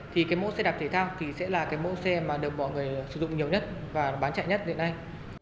thì cái mẫu xe đạp thể thao thì sẽ là cái mẫu xe mà được mọi người sử dụng nhiều nhất và bán chạy nhất hiện nay